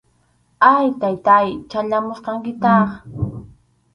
Ay, Taytáy, chayamusqankitaq